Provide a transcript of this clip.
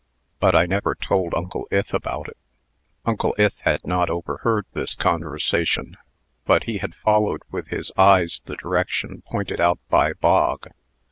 But I never told Uncle Ith about it." Uncle Ith had not overheard this conversation, but he had followed with his eyes the direction pointed out by Bog.